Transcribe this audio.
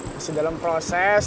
masih dalam proses